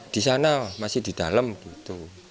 di sana masih di dalam gitu